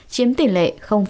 chiếm tỉ lệ